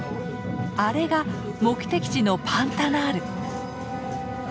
あれが目的地のパンタナール！